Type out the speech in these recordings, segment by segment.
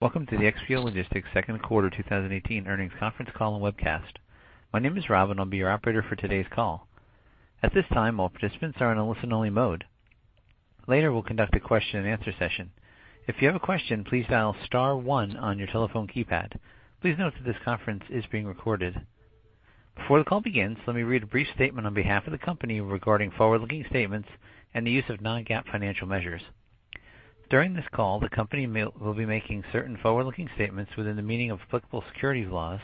Welcome to the XPO Logistics second quarter 2018 earnings conference call and webcast. My name is Robin, I'll be your operator for today's call. At this time, all participants are in a listen-only mode. Later, we'll conduct a question and answer session. If you have a question, please dial star one on your telephone keypad. Please note that this conference is being recorded. Before the call begins, let me read a brief statement on behalf of the company regarding forward-looking statements and the use of non-GAAP financial measures. During this call, the company will be making certain forward-looking statements within the meaning of applicable securities laws,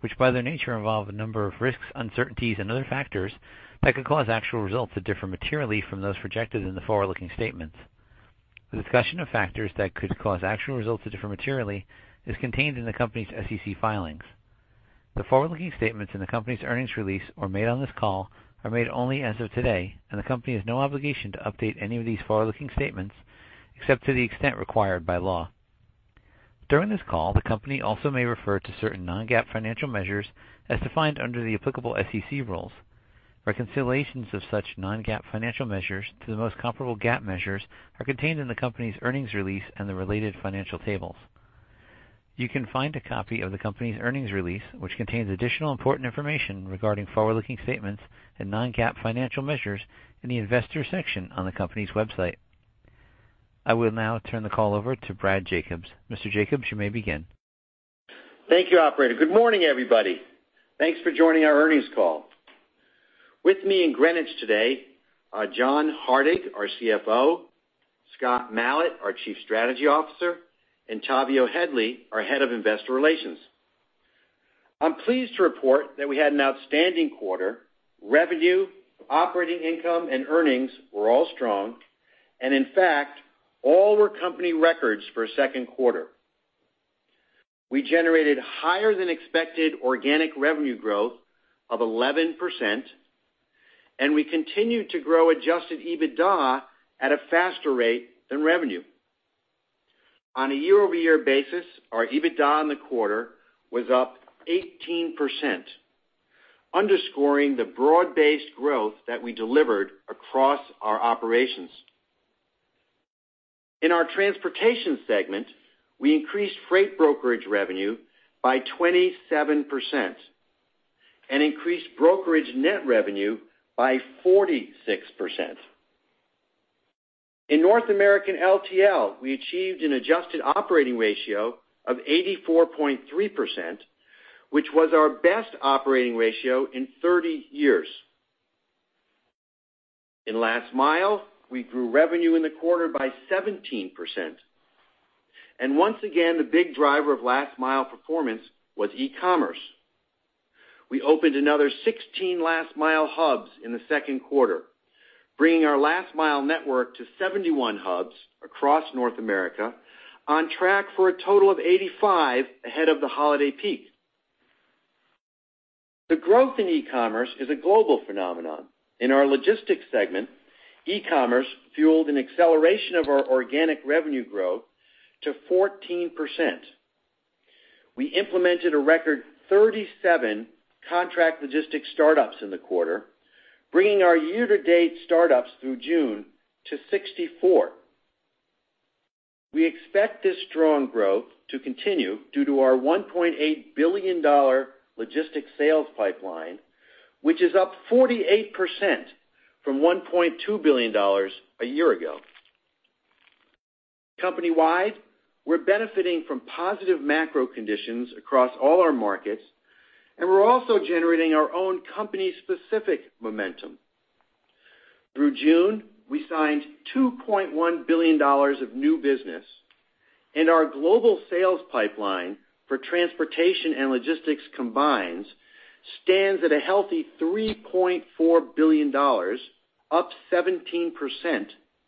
which by their nature involve a number of risks, uncertainties and other factors that could cause actual results to differ materially from those projected in the forward-looking statements. The discussion of factors that could cause actual results to differ materially is contained in the company's SEC filings. The forward-looking statements in the company's earnings release or made on this call are made only as of today, and the company has no obligation to update any of these forward-looking statements, except to the extent required by law. During this call, the company also may refer to certain non-GAAP financial measures as defined under the applicable SEC rules. Reconciliations of such non-GAAP financial measures to the most comparable GAAP measures are contained in the company's earnings release and the related financial tables. You can find a copy of the company's earnings release, which contains additional important information regarding forward-looking statements and non-GAAP financial measures in the investor section on the company's website. I will now turn the call over to Brad Jacobs. Mr. Jacobs, you may begin. Thank you, operator. Good morning, everybody. Thanks for joining our earnings call. With me in Greenwich today are John Hardig, our CFO, Scott Mallett, our Chief Strategy Officer, and Tavio Headley, our Head of Investor Relations. I'm pleased to report that we had an outstanding quarter. Revenue, operating income, and earnings were all strong, and in fact, all were company records for a second quarter. We generated higher than expected organic revenue growth of 11%, and we continued to grow adjusted EBITDA at a faster rate than revenue. On a year-over-year basis, our EBITDA in the quarter was up 18%, underscoring the broad-based growth that we delivered across our operations. In our transportation segment, we increased freight brokerage revenue by 27% and increased brokerage net revenue by 46%. In North American LTL, we achieved an adjusted operating ratio of 84.3%, which was our best operating ratio in 30 years. In Last Mile, we grew revenue in the quarter by 17%. Once again, the big driver of Last Mile performance was e-commerce. We opened another 16 Last Mile hubs in the second quarter, bringing our Last Mile network to 71 hubs across North America, on track for a total of 85 ahead of the holiday peak. The growth in e-commerce is a global phenomenon. In our logistics segment, e-commerce fueled an acceleration of our organic revenue growth to 14%. We implemented a record 37 contract logistics startups in the quarter, bringing our year-to-date startups through June to 64. We expect this strong growth to continue due to our $1.8 billion logistics sales pipeline, which is up 48% from $1.2 billion a year ago. Company-wide, we're benefiting from positive macro conditions across all our markets, and we're also generating our own company-specific momentum. Through June, we signed $2.1 billion of new business. Our global sales pipeline for transportation and logistics combined stands at a healthy $3.4 billion, up 17%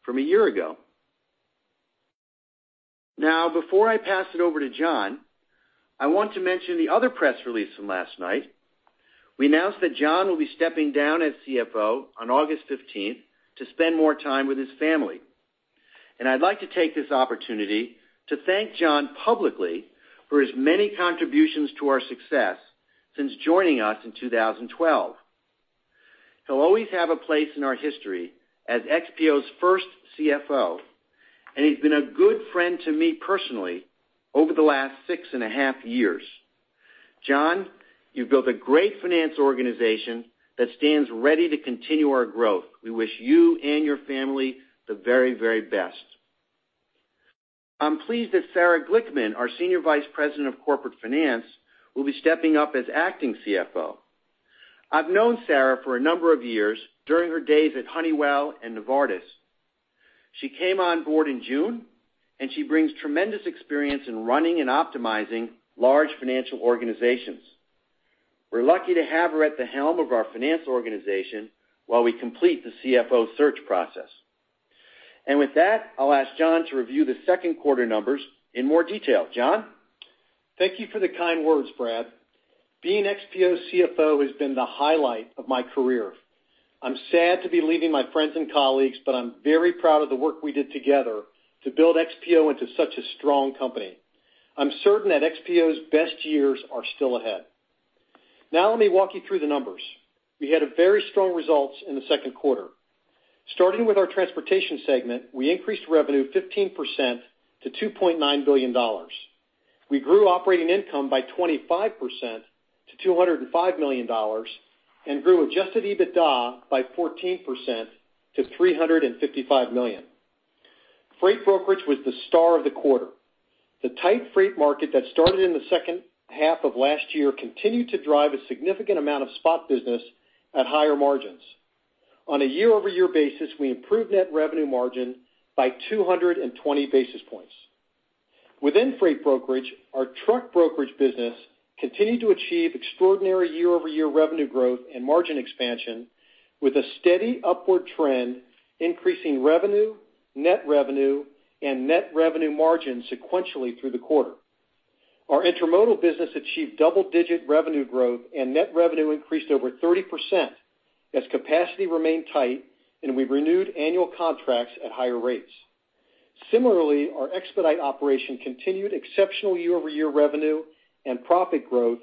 from a year ago. Now, before I pass it over to John, I want to mention the other press release from last night. We announced that John will be stepping down as CFO on August 15th to spend more time with his family. I'd like to take this opportunity to thank John publicly for his many contributions to our success since joining us in 2012. He'll always have a place in our history as XPO's first CFO, and he's been a good friend to me personally over the last six and a half years. John, you've built a great finance organization that stands ready to continue our growth. We wish you and your family the very best. I'm pleased that Sarah Glickman, our Senior Vice President of Corporate Finance, will be stepping up as acting CFO. I've known Sarah for a number of years during her days at Honeywell and Novartis. She came on board in June, and she brings tremendous experience in running and optimizing large financial organizations. We're lucky to have her at the helm of our finance organization while we complete the CFO search process. With that, I'll ask John to review the second quarter numbers in more detail. John? Thank you for the kind words, Brad. Being XPO CFO has been the highlight of my career. I'm sad to be leaving my friends and colleagues, but I'm very proud of the work we did together to build XPO into such a strong company. I'm certain that XPO's best years are still ahead. Let me walk you through the numbers. We had very strong results in the second quarter. Starting with our transportation segment, we increased revenue 15% to $2.9 billion. We grew operating income by 25% to $205 million, and grew adjusted EBITDA by 14% to $355 million. Freight brokerage was the star of the quarter. The tight freight market that started in the second half of last year continued to drive a significant amount of spot business at higher margins. On a year-over-year basis, we improved net revenue margin by 220 basis points. Within freight brokerage, our truck brokerage business continued to achieve extraordinary year-over-year revenue growth and margin expansion with a steady upward trend, increasing revenue, net revenue, and net revenue margin sequentially through the quarter. Our intermodal business achieved double-digit revenue growth, net revenue increased over 30% as capacity remained tight and we renewed annual contracts at higher rates. Similarly, our expedite operation continued exceptional year-over-year revenue and profit growth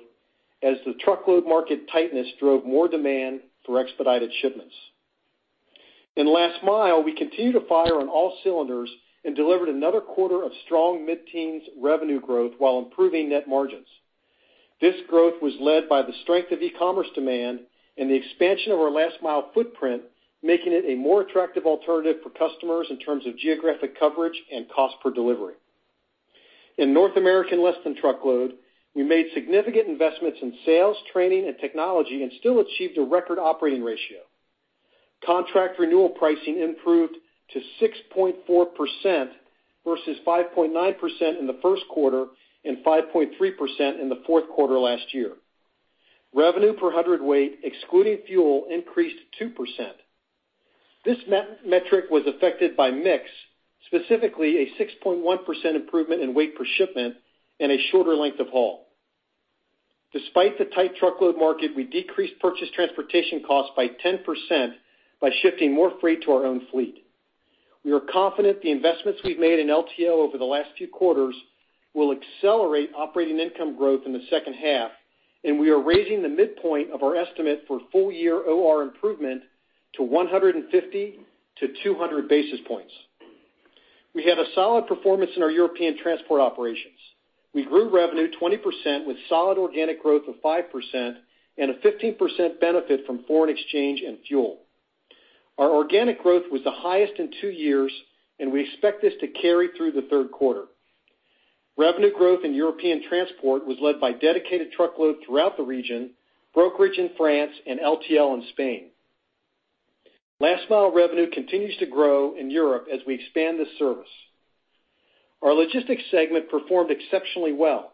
as the truckload market tightness drove more demand for expedited shipments. In Last Mile, we continued to fire on all cylinders and delivered another quarter of strong mid-teens revenue growth while improving net margins. This growth was led by the strength of e-commerce demand and the expansion of our Last Mile footprint, making it a more attractive alternative for customers in terms of geographic coverage and cost per delivery. In North American less than truckload, we made significant investments in sales, training, and technology and still achieved a record operating ratio. Contract renewal pricing improved to 6.4% versus 5.9% in the first quarter and 5.3% in the fourth quarter last year. Revenue per hundredweight, excluding fuel, increased 2%. This metric was affected by mix, specifically a 6.1% improvement in weight per shipment and a shorter length of haul. Despite the tight truckload market, we decreased purchase transportation costs by 10% by shifting more freight to our own fleet. We are confident the investments we've made in LTL over the last few quarters will accelerate operating income growth in the second half, and we are raising the midpoint of our estimate for full-year OR improvement to 150 to 200 basis points. We had a solid performance in our European transport operations. We grew revenue 20% with solid organic growth of 5% and a 15% benefit from foreign exchange and fuel. Our organic growth was the highest in two years, and we expect this to carry through the third quarter. Revenue growth in European transport was led by dedicated truckload throughout the region, brokerage in France, and LTL in Spain. Last Mile revenue continues to grow in Europe as we expand this service. Our logistics segment performed exceptionally well.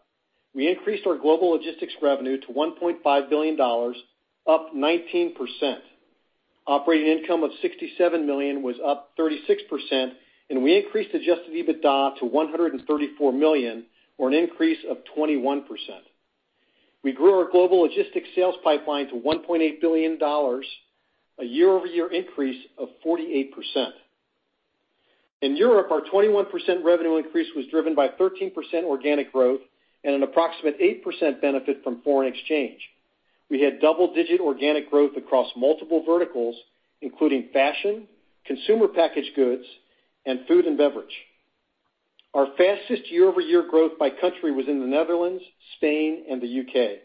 We increased our global logistics revenue to $1.5 billion, up 19%. Operating income of $67 million was up 36%, and we increased adjusted EBITDA to $134 million, or an increase of 21%. We grew our global logistics sales pipeline to $1.8 billion, a year-over-year increase of 48%. In Europe, our 21% revenue increase was driven by 13% organic growth and an approximate 8% benefit from foreign exchange. We had double-digit organic growth across multiple verticals, including fashion, consumer packaged goods, and food and beverage. Our fastest year-over-year growth by country was in the Netherlands, Spain, and the U.K.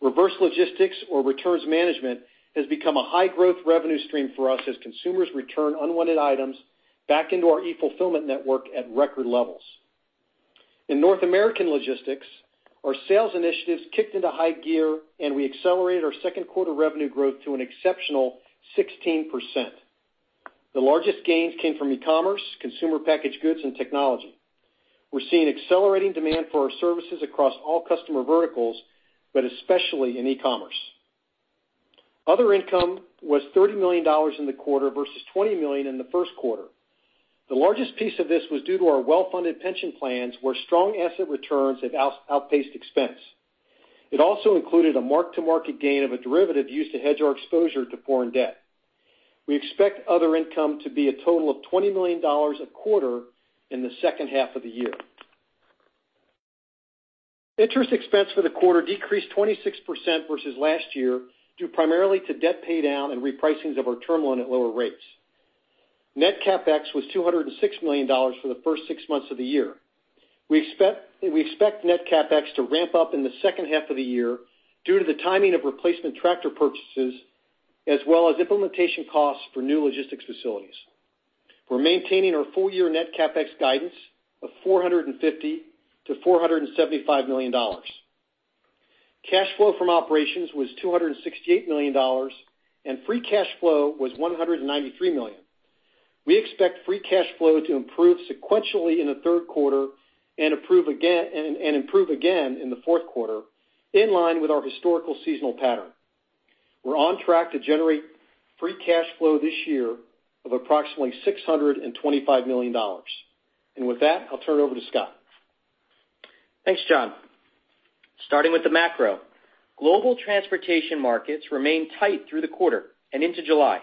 Reverse logistics or returns management has become a high-growth revenue stream for us as consumers return unwanted items back into our e-fulfillment network at record levels. In North American logistics, our sales initiatives kicked into high gear. We accelerated our second quarter revenue growth to an exceptional 16%. The largest gains came from e-commerce, consumer packaged goods, and technology. We're seeing accelerating demand for our services across all customer verticals, especially in e-commerce. Other income was $30 million in the quarter versus $20 million in the first quarter. The largest piece of this was due to our well-funded pension plans, where strong asset returns have outpaced expense. It also included a mark-to-market gain of a derivative used to hedge our exposure to foreign debt. We expect other income to be a total of $20 million a quarter in the second half of the year. Interest expense for the quarter decreased 26% versus last year, due primarily to debt paydown and repricings of our term loan at lower rates. Net CapEx was $206 million for the first six months of the year. We expect net CapEx to ramp up in the second half of the year due to the timing of replacement tractor purchases, as well as implementation costs for new logistics facilities. We're maintaining our full-year net CapEx guidance of $450 million-$475 million. Cash flow from operations was $268 million, and free cash flow was $193 million. We expect free cash flow to improve sequentially in the third quarter and improve again in the fourth quarter, in line with our historical seasonal pattern. We're on track to generate free cash flow this year of approximately $625 million. With that, I'll turn it over to Scott. Thanks, John. Starting with the macro, global transportation markets remained tight through the quarter and into July.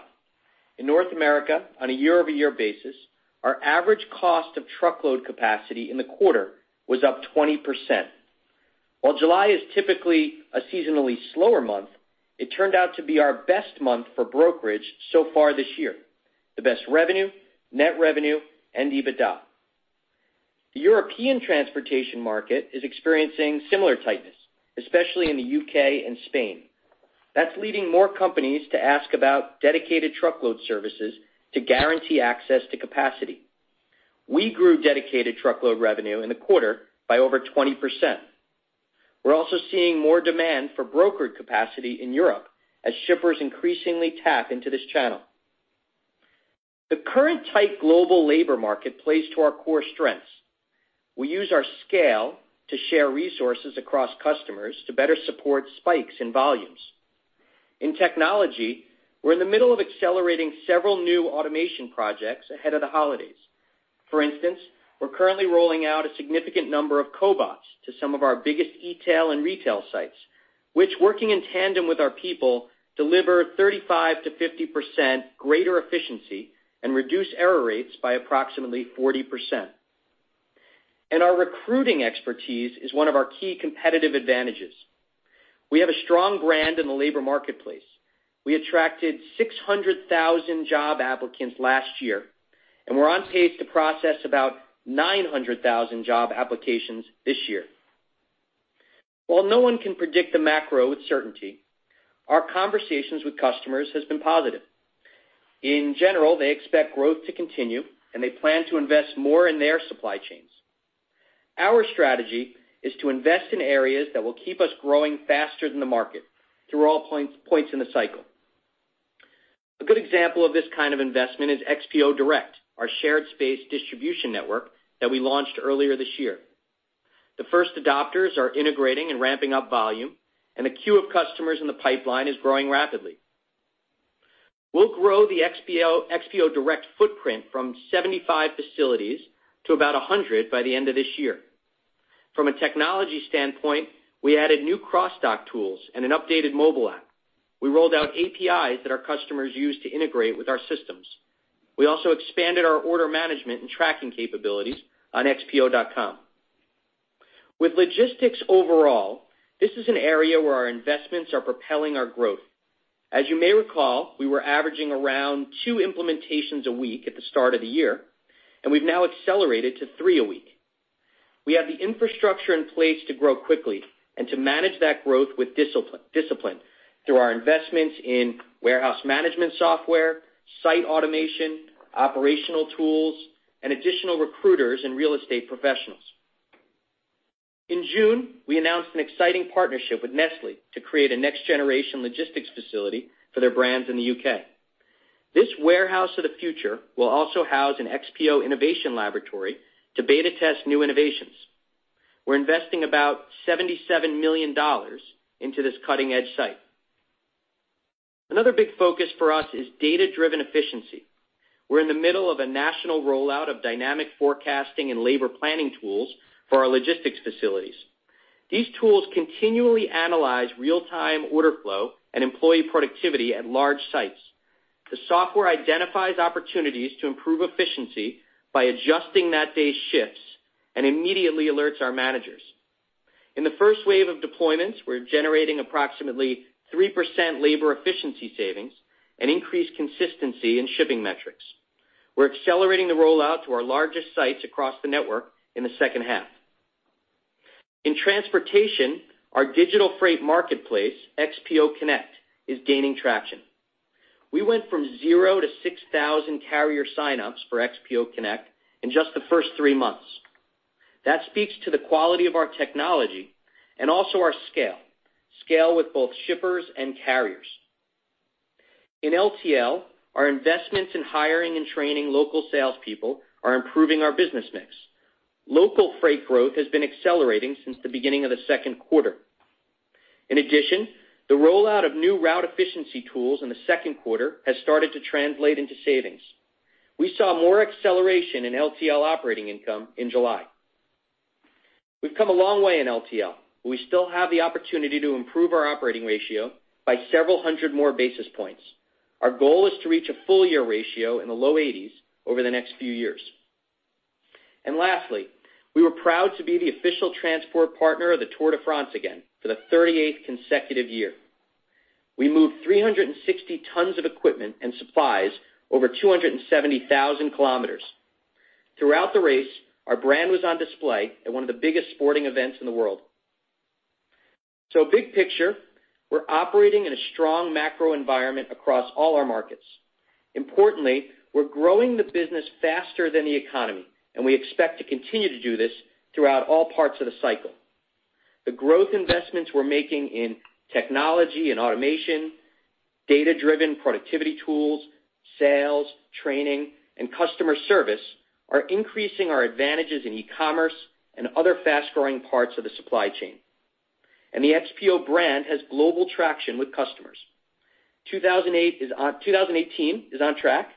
In North America, on a year-over-year basis, our average cost of truckload capacity in the quarter was up 20%. While July is typically a seasonally slower month, it turned out to be our best month for brokerage so far this year. The best revenue, net revenue and EBITDA. The European transportation market is experiencing similar tightness, especially in the U.K. and Spain. That's leading more companies to ask about dedicated truckload services to guarantee access to capacity. We grew dedicated truckload revenue in the quarter by over 20%. We're also seeing more demand for brokered capacity in Europe as shippers increasingly tap into this channel. The current tight global labor market plays to our core strengths. We use our scale to share resources across customers to better support spikes in volumes. In technology, we're in the middle of accelerating several new automation projects ahead of the holidays. For instance, we're currently rolling out a significant number of cobots to some of our biggest e-tail and retail sites, which, working in tandem with our people, deliver 35%-50% greater efficiency and reduce error rates by approximately 40%. Our recruiting expertise is one of our key competitive advantages. We have a strong brand in the labor marketplace. We attracted 600,000 job applicants last year, and we're on pace to process about 900,000 job applications this year. While no one can predict the macro with certainty, our conversations with customers has been positive. In general, they expect growth to continue, and they plan to invest more in their supply chains. Our strategy is to invest in areas that will keep us growing faster than the market through all points in the cycle. A good example of this kind of investment is XPO Direct, our shared space distribution network that we launched earlier this year. The first adopters are integrating and ramping up volume, and the queue of customers in the pipeline is growing rapidly. We'll grow the XPO Direct footprint from 75 facilities to about 100 by the end of this year. From a technology standpoint, we added new cross-dock tools and an updated mobile app. We rolled out APIs that our customers use to integrate with our systems. We also expanded our order management and tracking capabilities on xpo.com. With logistics overall, this is an area where our investments are propelling our growth. As you may recall, we were averaging around two implementations a week at the start of the year, and we've now accelerated to three a week. We have the infrastructure in place to grow quickly and to manage that growth with discipline through our investments in warehouse management software, site automation, operational tools, and additional recruiters and real estate professionals. In June, we announced an exciting partnership with Nestlé to create a next-generation logistics facility for their brands in the U.K. This warehouse of the future will also house an XPO innovation laboratory to beta test new innovations. We're investing about $77 million into this cutting-edge site. Another big focus for us is data-driven efficiency. We're in the middle of a national rollout of dynamic forecasting and labor planning tools for our logistics facilities. These tools continually analyze real-time order flow and employee productivity at large sites. The software identifies opportunities to improve efficiency by adjusting that day's shifts and immediately alerts our managers. In the first wave of deployments, we're generating approximately 3% labor efficiency savings and increased consistency in shipping metrics. We're accelerating the rollout to our largest sites across the network in the second half. In transportation, our digital freight marketplace, XPO Connect, is gaining traction. We went from zero to 6,000 carrier sign-ups for XPO Connect in just the first three months. That speaks to the quality of our technology and also our scale with both shippers and carriers. In LTL, our investments in hiring and training local salespeople are improving our business mix. Local freight growth has been accelerating since the beginning of the second quarter. In addition, the rollout of new route efficiency tools in the second quarter has started to translate into savings. We saw more acceleration in LTL operating income in July. We've come a long way in LTL, but we still have the opportunity to improve our operating ratio by several hundred more basis points. Our goal is to reach a full-year ratio in the low 80s over the next few years. Lastly, we were proud to be the official transport partner of the Tour de France again for the 38th consecutive year. We moved 360 tons of equipment and supplies over 270,000 kilometers. Throughout the race, our brand was on display at one of the biggest sporting events in the world. So big picture, we're operating in a strong macro environment across all our markets. Importantly, we're growing the business faster than the economy, and we expect to continue to do this throughout all parts of the cycle. The growth investments we're making in technology and automation, data-driven productivity tools, sales, training, and customer service are increasing our advantages in e-commerce and other fast-growing parts of the supply chain. The XPO brand has global traction with customers. 2018 is on track,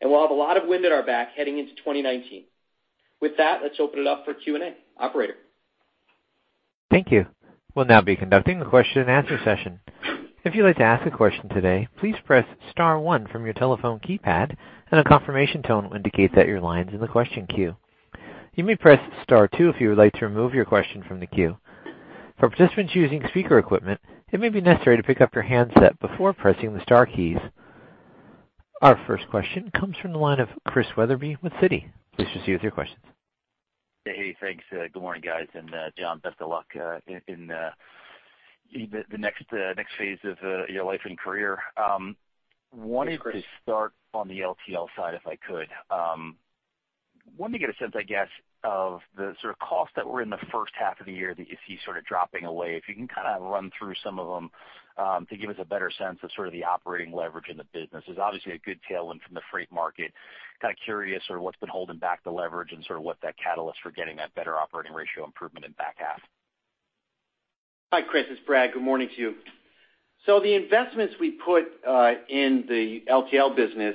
and we'll have a lot of wind at our back heading into 2019. With that, let's open it up for Q&A. Operator? Thank you. We'll now be conducting a question and answer session. If you'd like to ask a question today, please press star one from your telephone keypad, and a confirmation tone will indicate that your line's in the question queue. You may press star two if you would like to remove your question from the queue. For participants using speaker equipment, it may be necessary to pick up your handset before pressing the star keys. Our first question comes from the line of Christian Wetherbee with Citi. Please proceed with your questions. Hey. Thanks. Good morning, guys. John, best of luck in the next phase of your life and career. Hey, Chris. Wanted to start on the LTL side, if I could. Wanted to get a sense, I guess, of the sort of costs that were in the first half of the year that you see sort of dropping away. If you can kind of run through some of them, to give us a better sense of sort of the operating leverage in the business. There's obviously a good tailwind from the freight market. Kind of curious sort of what's been holding back the leverage and sort of what that catalyst for getting that better operating ratio improvement in the back half. Hi, Chris. It's Brad. Good morning to you. The investments we put in the LTL business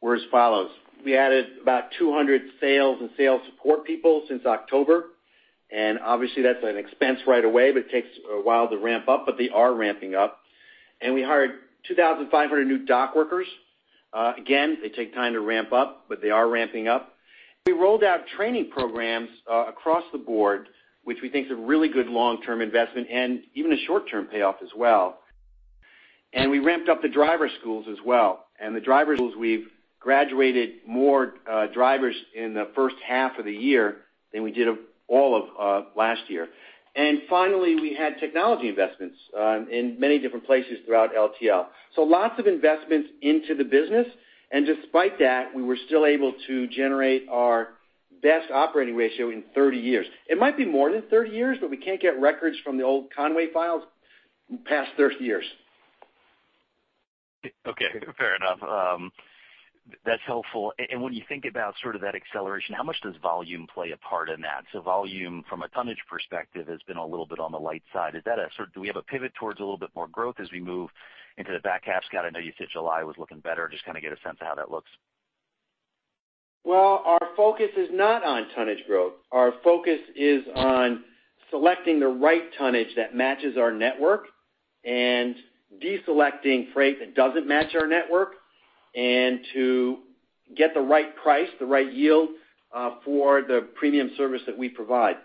were as follows. We added about 200 sales and sales support people since October, and obviously that's an expense right away, but it takes a while to ramp up, but they are ramping up. We hired 2,500 new dock workers. Again, they take time to ramp up, but they are ramping up. We rolled out training programs across the board, which we think is a really good long-term investment and even a short-term payoff as well. The driver schools, we've graduated more drivers in the first half of the year than we did all of last year. Finally, we had technology investments in many different places throughout LTL. Lots of investments into the business. Despite that, we were still able to generate our best operating ratio in 30 years. It might be more than 30 years, but we can't get records from the old Con-way files past 30 years. Okay, fair enough. That's helpful. When you think about sort of that acceleration, how much does volume play a part in that? Volume from a tonnage perspective has been a little bit on the light side. Do we have a pivot towards a little bit more growth as we move into the back half? Scott, I know you said July was looking better. Just kind of get a sense of how that looks. Well, our focus is not on tonnage growth. Our focus is on selecting the right tonnage that matches our network and deselecting freight that doesn't match our network, and to get the right price, the right yield for the premium service that we provide.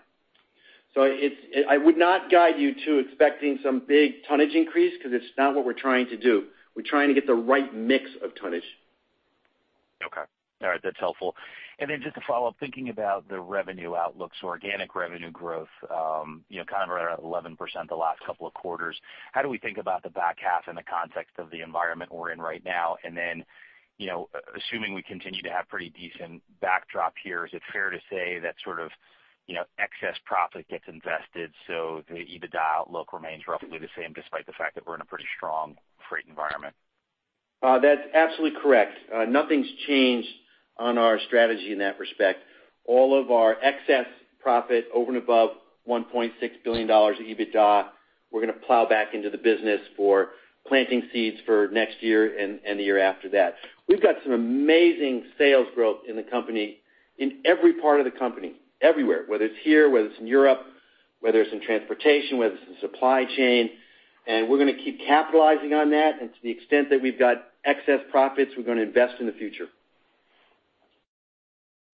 I would not guide you to expecting some big tonnage increase because it's not what we're trying to do. We're trying to get the right mix of tonnage. Just to follow up, thinking about the revenue outlook, organic revenue growth, kind of around 11% the last couple of quarters. How do we think about the back half in the context of the environment we're in right now? Assuming we continue to have pretty decent backdrop here, is it fair to say that sort of excess profit gets invested, so the EBITDA outlook remains roughly the same, despite the fact that we're in a pretty strong freight environment? That's absolutely correct. Nothing's changed on our strategy in that respect. All of our excess profit over and above $1.6 billion of EBITDA, we're going to plow back into the business for planting seeds for next year and the year after that. We've got some amazing sales growth in the company, in every part of the company, everywhere, whether it's here, whether it's in Europe, whether it's in transportation, whether it's in supply chain. We're going to keep capitalizing on that, and to the extent that we've got excess profits, we're going to invest in the future.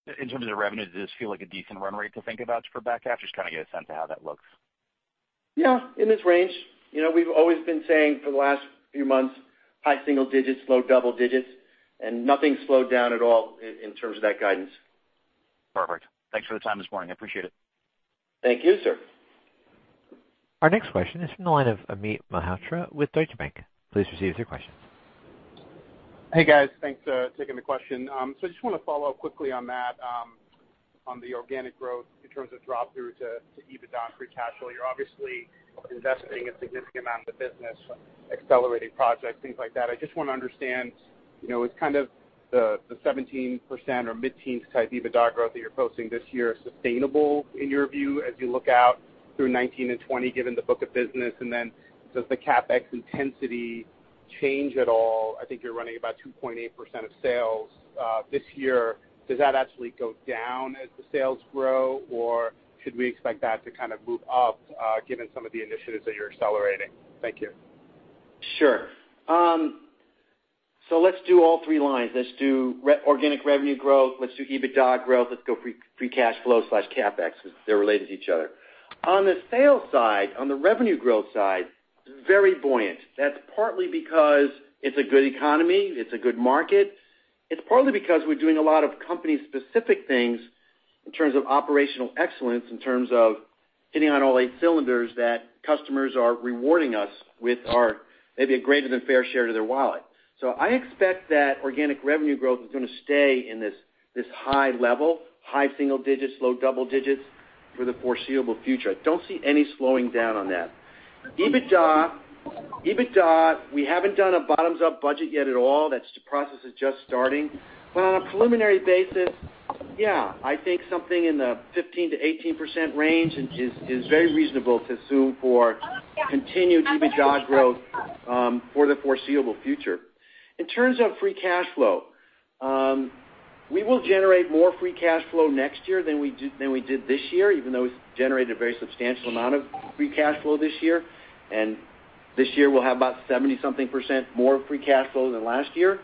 In terms of the revenue, does this feel like a decent run rate to think about for the back half? Just trying to get a sense of how that looks. Yeah, in this range. We've always been saying for the last few months, high single digits, low double digits. Nothing slowed down at all in terms of that guidance. Perfect. Thanks for the time this morning. I appreciate it. Thank you, sir. Our next question is from the line of Amit Mehrotra with Deutsche Bank. Please proceed with your question. Hey, guys. Thanks for taking the question. I just want to follow up quickly on that, on the organic growth in terms of drop-through to EBITDA and free cash flow. You're obviously investing a significant amount in the business, accelerating projects, things like that. I just want to understand, is kind of the 17% or mid-teens type EBITDA growth that you're posting this year sustainable in your view as you look out through 2019 and 2020, given the book of business? Then does the CapEx intensity change at all? I think you're running about 2.8% of sales this year. Does that actually go down as the sales grow, or should we expect that to kind of move up given some of the initiatives that you're accelerating? Thank you. Sure. Let's do all three lines. Let's do organic revenue growth, let's do EBITDA growth, let's go free cash flow/CapEx because they're related to each other. On the sales side, on the revenue growth side, very buoyant. That's partly because it's a good economy, it's a good market. It's partly because we're doing a lot of company-specific things in terms of operational excellence, in terms of hitting on all eight cylinders that customers are rewarding us with our maybe a greater than fair share of their wallet. I expect that organic revenue growth is going to stay in this high level, high single digits, low double digits for the foreseeable future. I don't see any slowing down on that. EBITDA, we haven't done a bottoms-up budget yet at all. That process is just starting. On a preliminary basis, yeah, I think something in the 15%-18% range is very reasonable to assume for continued EBITDA growth for the foreseeable future. In terms of free cash flow, we will generate more free cash flow next year than we did this year, even though we generated a very substantial amount of free cash flow this year. This year we'll have about 70-something% more free cash flow than last year.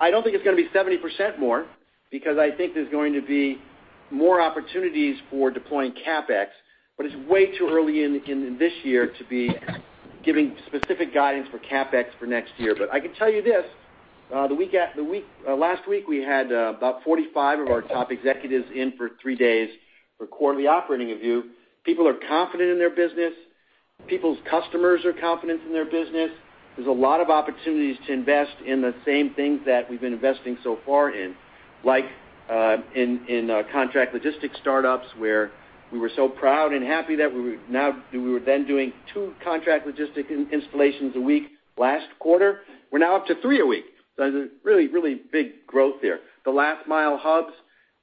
I don't think it's going to be 70% more because I think there's going to be more opportunities for deploying CapEx. It's way too early in this year to be giving specific guidance for CapEx for next year. I can tell you this, last week we had about 45 of our top executives in for three days for quarterly operating review. People are confident in their business. People's customers are confident in their business. There's a lot of opportunities to invest in the same things that we've been investing so far in, like in contract logistics startups, where we were so proud and happy that we were then doing two contract logistics installations a week last quarter. We're now up to three a week. There's a really, really big growth there. The Last Mile hubs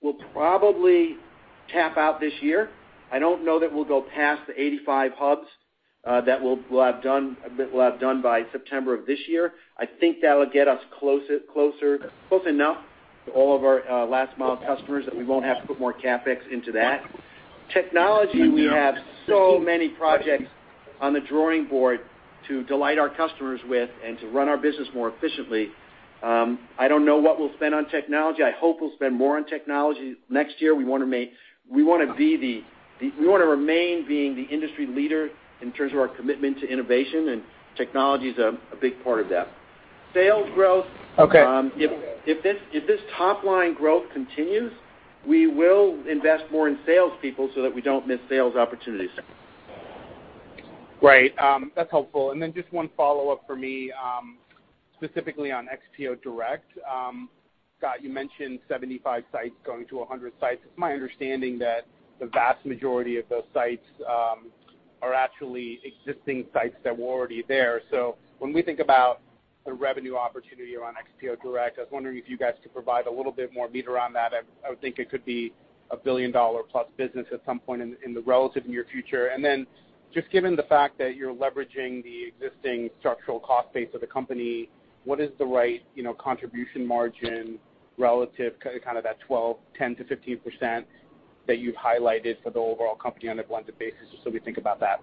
will probably cap out this year. I don't know that we'll go past the 85 hubs that we'll have done by September of this year. I think that'll get us close enough to all of our Last Mile customers that we won't have to put more CapEx into that. Technology, we have so many projects on the drawing board to delight our customers with and to run our business more efficiently. I don't know what we'll spend on technology. I hope we'll spend more on technology next year. We want to remain being the industry leader in terms of our commitment to innovation, technology is a big part of that. Sales growth- Okay if this top-line growth continues, we will invest more in sales people so that we don't miss sales opportunities. Great. That's helpful. Just one follow-up for me, specifically on XPO Direct. Scott, you mentioned 75 sites going to 100 sites. It's my understanding that the vast majority of those sites are actually existing sites that were already there. When we think about the revenue opportunity around XPO Direct, I was wondering if you guys could provide a little bit more meat around that. I would think it could be a billion-dollar-plus business at some point in the relative near future. Just given the fact that you're leveraging the existing structural cost base of the company, what is the right contribution margin relative, kind of that 12%, 10%-15% that you've highlighted for the overall company on a blended basis, just so we think about that.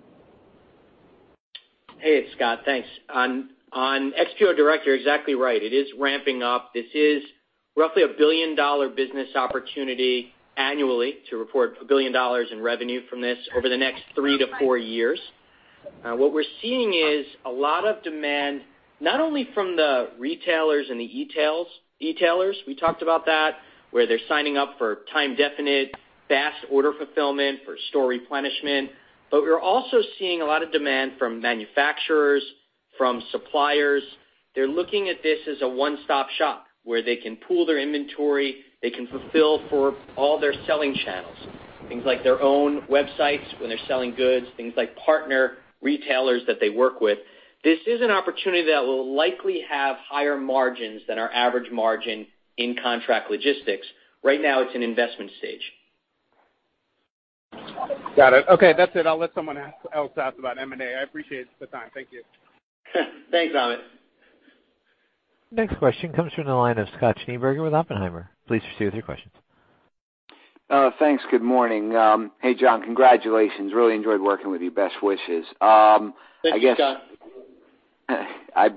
Hey, it's Scott. Thanks. On XPO Direct, you're exactly right. It is ramping up. This is roughly a billion-dollar business opportunity annually to report $1 billion in revenue from this over the next three to four years. What we're seeing is a lot of demand, not only from the retailers and the e-tailers, we talked about that, where they're signing up for time definite, fast order fulfillment for store replenishment. We're also seeing a lot of demand from manufacturers, from suppliers. They're looking at this as a one-stop shop where they can pool their inventory, they can fulfill for all their selling channels, things like their own websites when they're selling goods, things like partner retailers that they work with. This is an opportunity that will likely have higher margins than our average margin in contract logistics. Right now it's in investment stage. Got it. Okay, that's it. I'll let someone else ask about M&A. I appreciate the time. Thank you. Thanks, Amit. Next question comes from the line of Scott Schneeberger with Oppenheimer. Please proceed with your question. Thanks. Good morning. Hey, John. Congratulations. Really enjoyed working with you. Best wishes. Thank you, Scott.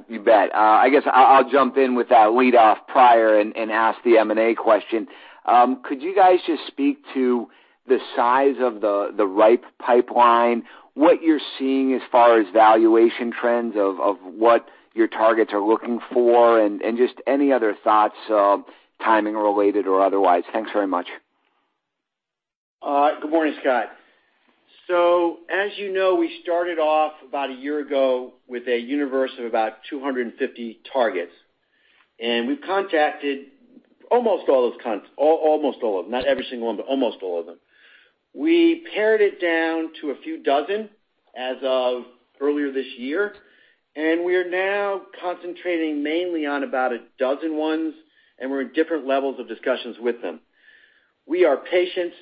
You bet. I guess I'll jump in with that lead off prior and ask the M&A question. Could you guys just speak to the size of the ripe pipeline, what you're seeing as far as valuation trends of what your targets are looking for, and just any other thoughts, timing related or otherwise? Thanks very much. Good morning, Scott. As you know, we started off about a year ago with a universe of about 250 targets, and we've contacted almost all of them, not every single one, but almost all of them. We pared it down to a few dozen as of earlier this year, and we are now concentrating mainly on about a dozen ones, and we're in different levels of discussions with them. We are patient.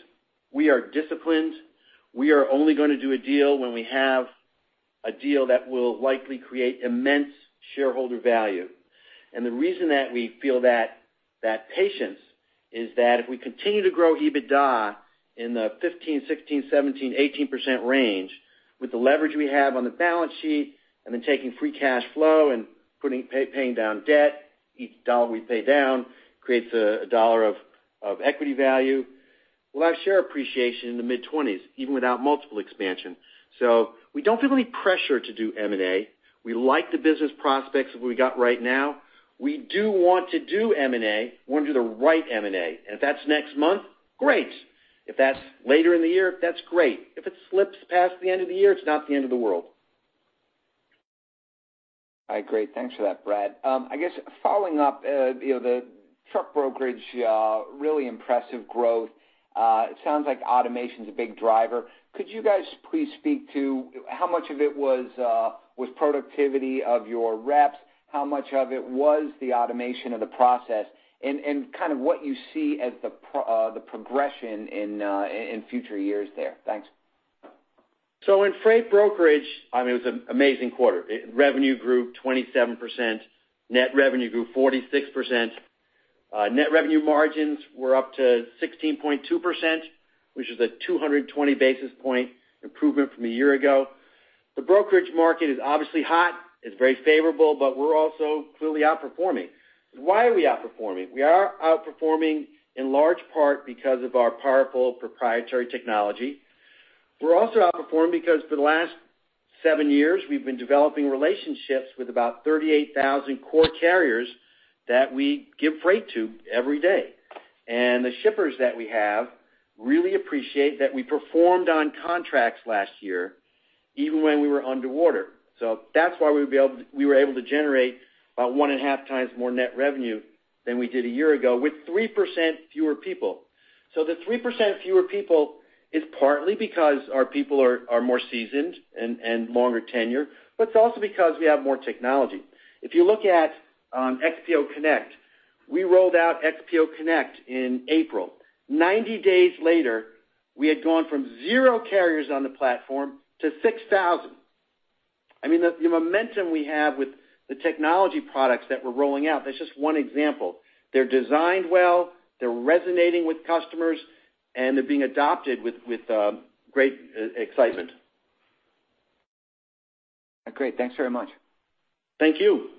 We are disciplined. We are only going to do a deal when we have a deal that will likely create immense shareholder value. The reason that we feel that patience is that if we continue to grow EBITDA in the 15%, 16%, 17%, 18% range with the leverage we have on the balance sheet, and then taking free cash flow and paying down debt, each $1 we pay down creates a $1 of equity value. We'll have share appreciation in the mid-20s, even without multiple expansion. We don't feel any pressure to do M&A. We like the business prospects that we got right now. We do want to do M&A. We want to do the right M&A. If that's next month, great. If that's later in the year, that's great. If it slips past the end of the year, it's not the end of the world. All right. Great. Thanks for that, Brad. I guess following up, the truck brokerage, really impressive growth. It sounds like automation is a big driver. Could you guys please speak to how much of it was productivity of your reps? How much of it was the automation of the process? What you see as the progression in future years there. Thanks. In freight brokerage, it was an amazing quarter. Revenue grew 27%, net revenue grew 46%. Net revenue margins were up to 16.2%, which is a 220 basis point improvement from a year ago. The brokerage market is obviously hot. It's very favorable, but we're also clearly outperforming. Why are we outperforming? We are outperforming in large part because of our powerful proprietary technology. We're also outperforming because for the last seven years, we've been developing relationships with about 38,000 core carriers that we give freight to every day. The shippers that we have really appreciate that we performed on contracts last year, even when we were underwater. That's why we were able to generate about one and a half times more net revenue than we did a year ago with 3% fewer people. The 3% fewer people is partly because our people are more seasoned and longer tenure, but it's also because we have more technology. If you look at XPO Connect, we rolled out XPO Connect in April. 90 days later, we had gone from 0 carriers on the platform to 6,000. The momentum we have with the technology products that we're rolling out, that's just one example. They're designed well, they're resonating with customers, and they're being adopted with great excitement. Great. Thanks very much. Thank you.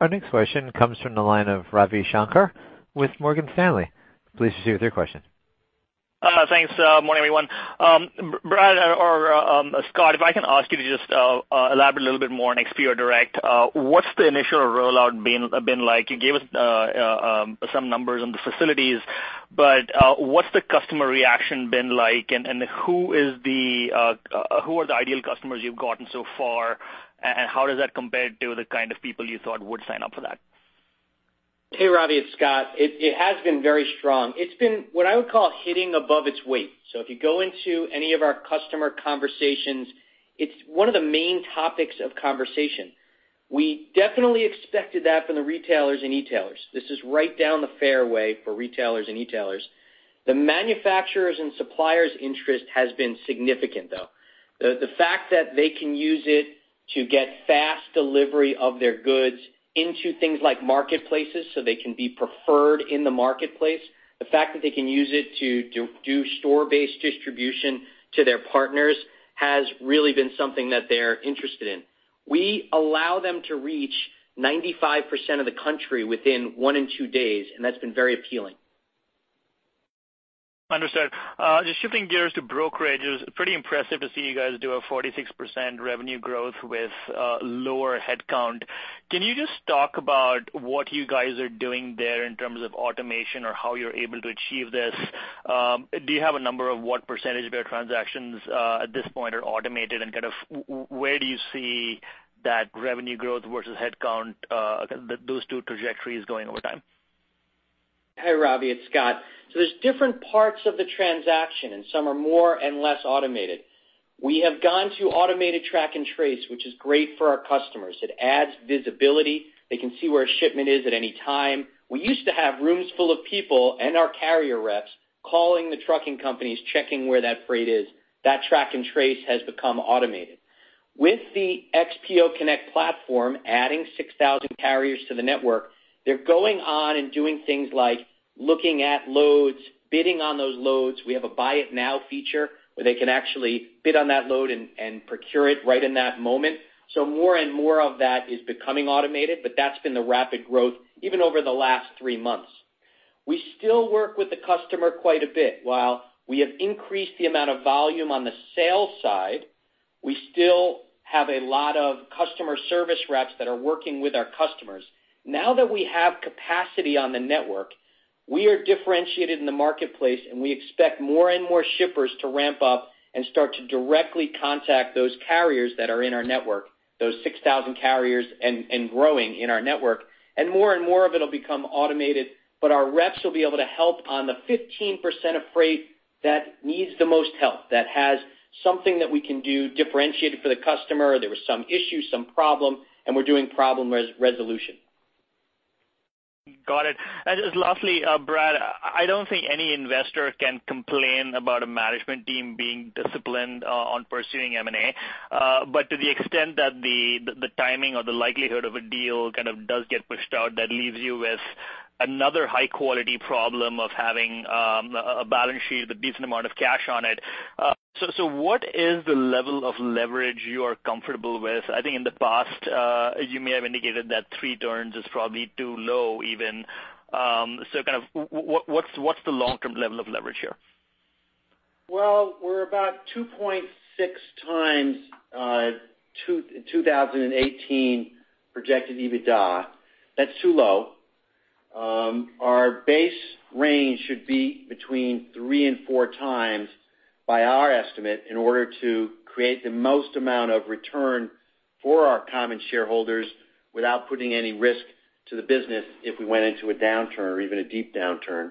Our next question comes from the line of Ravi Shanker with Morgan Stanley. Please proceed with your question. Thanks. Good morning, everyone. Brad or Scott, if I can ask you to just elaborate a little bit more on XPO Direct. What's the initial rollout been like? You gave us some numbers on the facilities, but what's the customer reaction been like, and who are the ideal customers you've gotten so far, and how does that compare to the kind of people you thought would sign up for that? Hey, Ravi, it's Scott. It has been very strong. It's been what I would call hitting above its weight. If you go into any of our customer conversations, it's one of the main topics of conversation. We definitely expected that from the retailers and e-tailers. This is right down the fairway for retailers and e-tailers. The manufacturers' and suppliers' interest has been significant, though. The fact that they can use it to get fast delivery of their goods into things like marketplaces so they can be preferred in the marketplace, the fact that they can use it to do store-based distribution to their partners has really been something that they're interested in. We allow them to reach 95% of the country within one and two days, and that's been very appealing. Understood. Just shifting gears to brokerages, pretty impressive to see you guys do a 46% revenue growth with lower headcount. Can you just talk about what you guys are doing there in terms of automation or how you're able to achieve this? Do you have a number of what percentage of your transactions at this point are automated, and where do you see that revenue growth versus headcount, those two trajectories going over time? Hey, Ravi, it's Scott. There's different parts of the transaction, and some are more and less automated. We have gone to automated track and trace, which is great for our customers. It adds visibility. They can see where a shipment is at any time. We used to have rooms full of people and our carrier reps calling the trucking companies, checking where that freight is. That track and trace has become automated. With the XPO Connect platform adding 6,000 carriers to the network, they're going on and doing things like looking at loads, bidding on those loads. We have a buy it now feature where they can actually bid on that load and procure it right in that moment. More and more of that is becoming automated, but that's been the rapid growth even over the last three months. We still work with the customer quite a bit. While we have increased the amount of volume on the sales side, we still have a lot of customer service reps that are working with our customers. Now that we have capacity on the network, we are differentiated in the marketplace, and we expect more and more shippers to ramp up and start to directly contact those carriers that are in our network, those 6,000 carriers and growing in our network, and more and more of it will become automated. Our reps will be able to help on the 15% of freight that needs the most help, that has something that we can do differentiated for the customer. There were some issues, some problem, and we're doing problem resolution. Got it. Just lastly, Brad, I don't think any investor can complain about a management team being disciplined on pursuing M&A. To the extent that the timing or the likelihood of a deal kind of does get pushed out, that leaves you with another high-quality problem of having a balance sheet with a decent amount of cash on it. What is the level of leverage you are comfortable with? I think in the past, you may have indicated that three turns is probably too low even. What's the long-term level of leverage here? We're about 2.6 times 2018 projected EBITDA. That's too low. Our base range should be between three and four times, by our estimate, in order to create the most amount of return for our common shareholders without putting any risk to the business if we went into a downturn or even a deep downturn.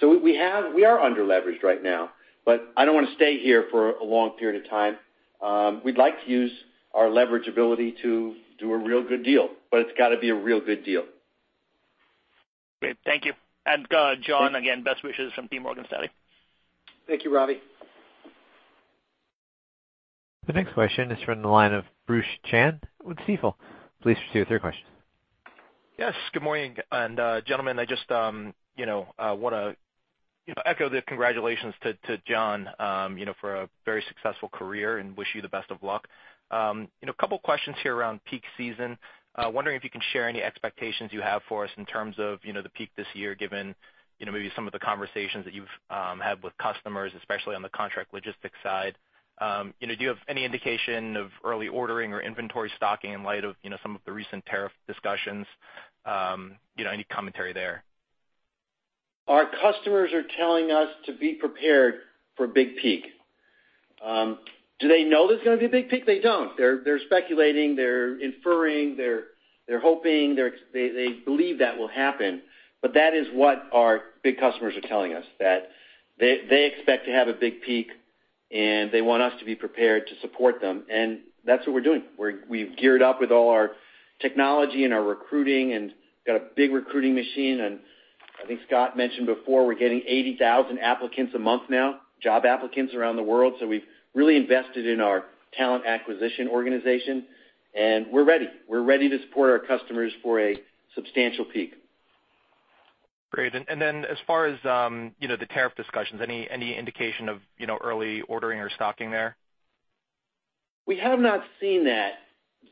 We are under-leveraged right now, but I don't want to stay here for a long period of time. We'd like to use our leverage ability to do a real good deal, but it's got to be a real good deal. Great. Thank you. John, again, best wishes from Team Morgan Stanley. Thank you, Ravi. The next question is from the line of Bruce Chan with Stifel. Please proceed with your question. Yes, good morning. Gentlemen, I just want to echo the congratulations to John for a very successful career and wish you the best of luck. A couple questions here around peak season. Wondering if you can share any expectations you have for us in terms of the peak this year, given maybe some of the conversations that you've had with customers, especially on the contract logistics side. Do you have any indication of early ordering or inventory stocking in light of some of the recent tariff discussions? Any commentary there? Our customers are telling us to be prepared for a big peak. Do they know there's going to be a big peak? They don't. They're speculating. They're inferring. They're hoping. They believe that will happen. That is what our big customers are telling us, that they expect to have a big peak, and they want us to be prepared to support them. That's what we're doing. We've geared up with all our technology and our recruiting and got a big recruiting machine. I think Scott mentioned before, we're getting 80,000 applicants a month now, job applicants around the world. We've really invested in our talent acquisition organization, and we're ready. We're ready to support our customers for a substantial peak. Great. As far as the tariff discussions, any indication of early ordering or stocking there? We have not seen that,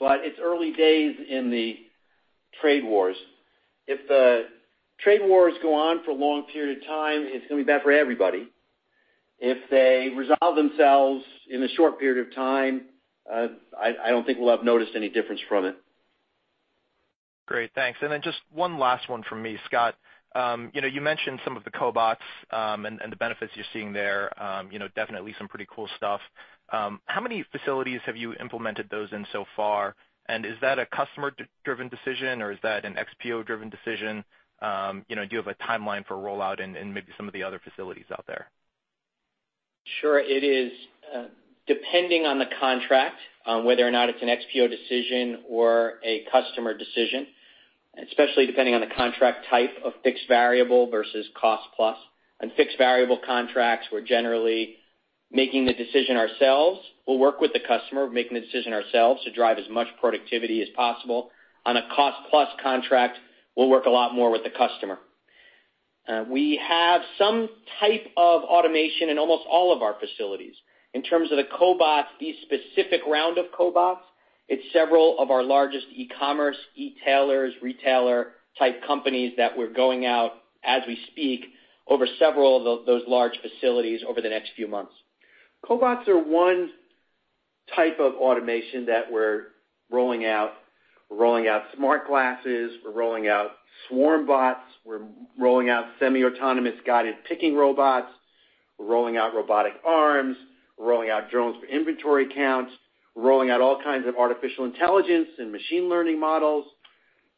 it's early days in the trade wars. If the trade wars go on for a long period of time, it's going to be bad for everybody. If they resolve themselves in a short period of time, I don't think we'll have noticed any difference from it. Great. Thanks. Just one last one from me. Scott, you mentioned some of the cobots, and the benefits you're seeing there. Definitely some pretty cool stuff. How many facilities have you implemented those in so far? Is that a customer-driven decision, or is that an XPO-driven decision? Do you have a timeline for rollout in maybe some of the other facilities out there? Sure. It is depending on the contract, whether or not it's an XPO decision or a customer decision, especially depending on the contract type of fixed variable versus cost plus. On fixed variable contracts, we're generally making the decision ourselves. We'll work with the customer. We're making the decision ourselves to drive as much productivity as possible. On a cost-plus contract, we'll work a lot more with the customer. We have some type of automation in almost all of our facilities. In terms of the cobots, the specific round of cobots, it's several of our largest e-commerce, e-tailers, retailer-type companies that we're going out as we speak over several of those large facilities over the next few months. Cobots are one type of automation that we're rolling out. We're rolling out smart glasses. We're rolling out swarm bots. We're rolling out semi-autonomous guided picking robots. We're rolling out robotic arms. We're rolling out drones for inventory counts. We're rolling out all kinds of artificial intelligence and machine learning models,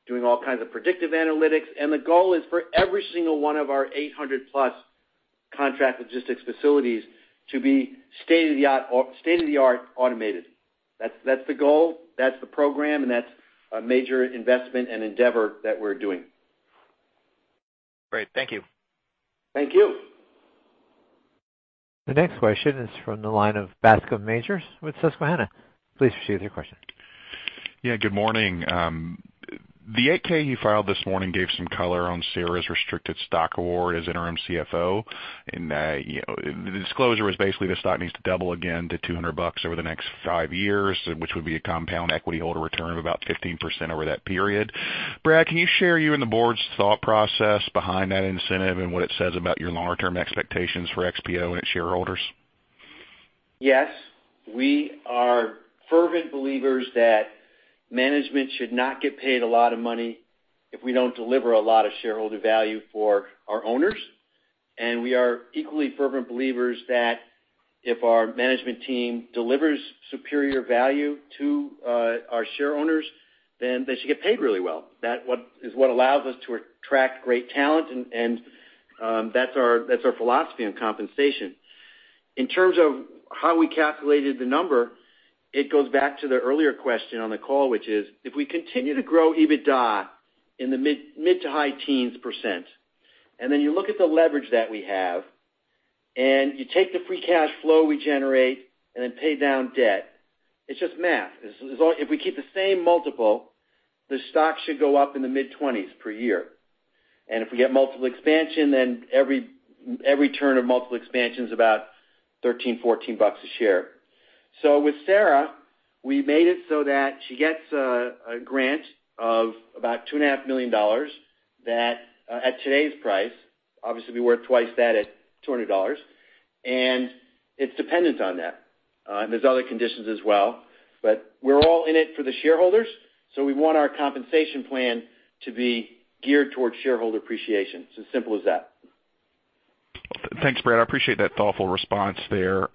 doing all kinds of predictive analytics. The goal is for every single one of our 800-plus contract logistics facilities to be state-of-the-art automated. That's the goal, that's the program, and that's a major investment and endeavor that we're doing. Great. Thank you. Thank you. The next question is from the line of Bascome Majors with Susquehanna. Please proceed with your question. Yeah, good morning. The 8-K you filed this morning gave some color on Sarah's restricted stock award as interim CFO. The disclosure is basically the stock needs to double again to $200 over the next five years, which would be a compound equity holder return of about 15% over that period. Brad, can you share you and the board's thought process behind that incentive and what it says about your longer-term expectations for XPO and its shareholders? Yes. We are fervent believers that management should not get paid a lot of money if we don't deliver a lot of shareholder value for our owners. We are equally fervent believers that if our management team delivers superior value to our shareowners, then they should get paid really well. That is what allows us to attract great talent, and that's our philosophy on compensation. In terms of how we calculated the number, it goes back to the earlier question on the call, which is if we continue to grow EBITDA in the mid to high teens%, and then you look at the leverage that we have, and you take the free cash flow we generate and then pay down debt, it's just math. If we keep the same multiple, the stock should go up in the mid-20s per year. If we get multiple expansion, every turn of multiple expansion is about $13, $14 a share. With Sarah, we made it so that she gets a grant of about $2.5 million that at today's price, obviously be worth twice that at $200. It's dependent on that. There's other conditions as well. We're all in it for the shareholders, we want our compensation plan to be geared towards shareholder appreciation. It's as simple as that. Thanks, Brad. I appreciate that thoughtful response there.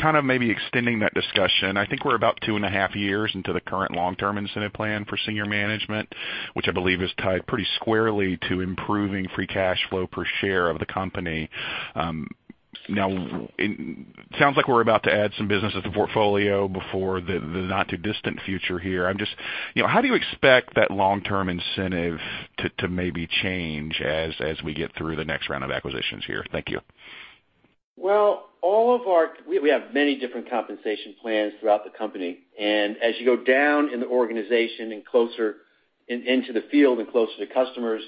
Kind of maybe extending that discussion, I think we're about two and a half years into the current long-term incentive plan for senior management, which I believe is tied pretty squarely to improving free cash flow per share of the company. It sounds like we're about to add some business to the portfolio before the not too distant future here. How do you expect that long-term incentive to maybe change as we get through the next round of acquisitions here? Thank you. We have many different compensation plans throughout the company, as you go down in the organization and closer into the field and closer to customers,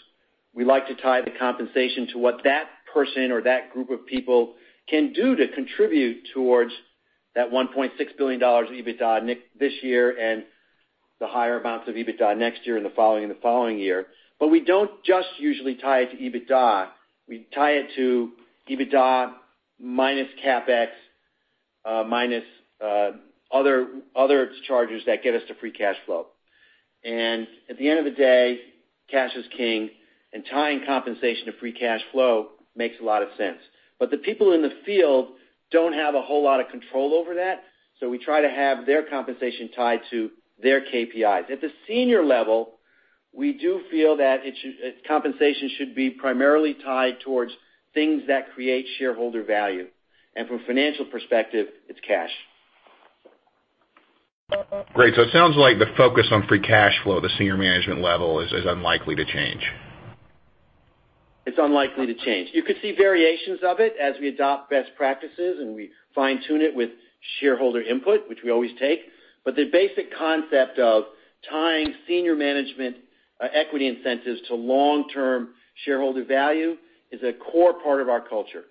we like to tie the compensation to what that person or that group of people can do to contribute towards that $1.6 billion EBITDA this year and the higher amounts of EBITDA next year and the following year. We don't just usually tie it to EBITDA. We tie it to EBITDA minus CapEx, minus other charges that get us to free cash flow. At the end of the day, cash is king, and tying compensation to free cash flow makes a lot of sense. The people in the field don't have a whole lot of control over that, so we try to have their compensation tied to their KPIs. At the senior level, we do feel that compensation should be primarily tied towards things that create shareholder value. From a financial perspective, it's cash. Great. It sounds like the focus on free cash flow at the senior management level is unlikely to change. It's unlikely to change. You could see variations of it as we adopt best practices and we fine-tune it with shareholder input, which we always take. The basic concept of tying senior management equity incentives to long-term shareholder value is a core part of our culture.